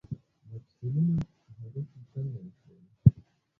مفصلونه هډوکي څنګه نښلوي؟